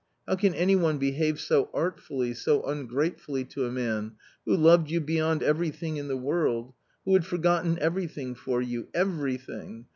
How can any one behave so artfully, so ungrate fully to a man, who loved you beyond everything in the world, who had forgotten everything for you, everything